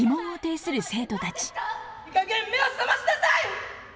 いいかげん目を覚ましなさい！